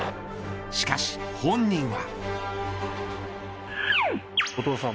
しかし本人は。